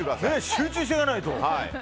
集中していかないと！